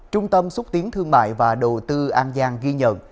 trung tâm xúc tiến thương mại và đầu tư an giang ghi nhận